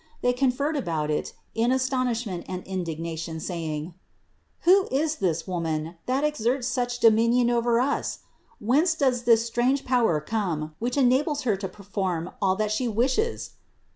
They conferred about it in as tonishment and indignation, saying: "Who is this Woman, that exerts such dominion over us? Whence does such strange power come, which enables Her to perform all that She wishes?"